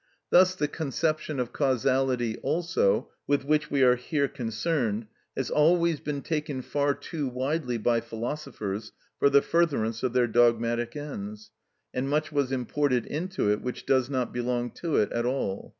Thus the conception of causality also, with which we are here concerned, has always been taken far too widely by philosophers for the furtherance of their dogmatic ends, and much was imported into it which does not belong to it at all.